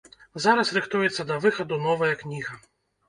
Зараз рыхтуецца да выхаду новая кніга.